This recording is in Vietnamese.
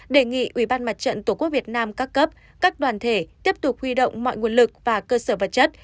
đề nghị ubnd tqvn các cấp các đoàn thể tiếp tục huy động mọi nguồn lực và cơ sở vật chất